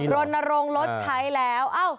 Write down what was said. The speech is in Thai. รณรงค์ลดใช้แล้ว